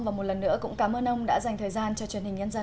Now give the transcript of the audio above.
và một lần nữa cũng cảm ơn ông đã dành thời gian cho truyền hình nhân dân